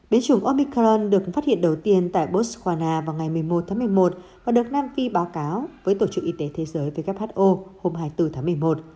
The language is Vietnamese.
biến chủng omicron được phát hiện đầu tiên tại botswana vào ngày một mươi một tháng một mươi một và được nam phi báo cáo với tổ chức y tế thế giới who hôm hai mươi bốn tháng một mươi một